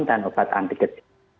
dan obat anti kecil